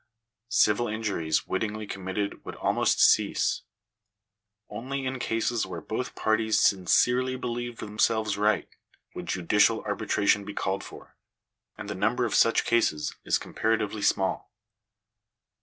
Civil injuries wittingly committed would almost cease. Only in cases where both parties sincerely believed themselves right, would judicial arbitration be called for ; and the number of such cases is comparatively small.